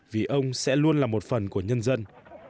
vì ông sẽ luôn là một phần của nhân dân